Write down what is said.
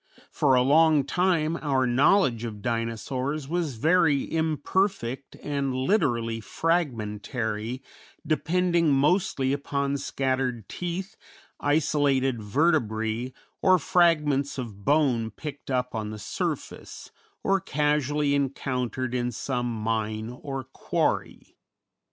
Knight._] For a long time our knowledge of Dinosaurs was very imperfect and literally fragmentary, depending mostly upon scattered teeth, isolated vertebræ, or fragments of bone picked up on the surface or casually encountered in some mine or quarry.